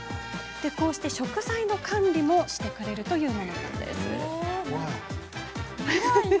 こうして食材の管理もしてくれるというものなんです。